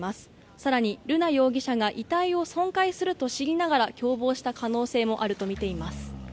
更に瑠菜容疑者が遺体を損壊すると知りながら共謀した可能性もあるとみています。